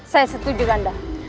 saya setuju randa